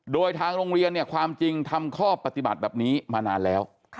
โดยทางโรงเรียนเนี่ยความจริงทำข้อปฏิบัติแบบนี้มานานแล้ว